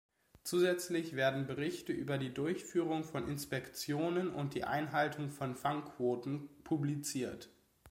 Zusätzlich werden Berichte über die Durchführung von Inspektionen und die Einhaltung von Fangquoten publiziert.